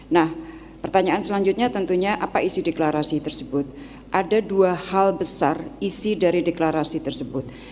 nah pertanyaan selanjutnya tentunya apa isi deklarasi tersebut ada dua hal besar isi dari deklarasi tersebut